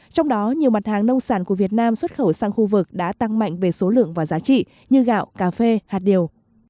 trong đó nhiều mặt hàng nông sản của việt nam xuất khẩu sang khu vực đã tăng mạnh về số lượng và giá trị như gạo cà phê hạt điều